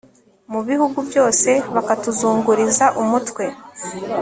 mu bihugu byose bakatuzunguriza umutwe